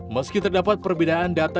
meski terdapat perbedaan data